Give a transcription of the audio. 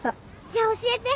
じゃあ教えて！